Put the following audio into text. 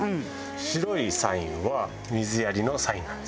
白いサインは水やりのサインなんですよ。